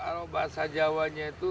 kalau bahasa jawanya itu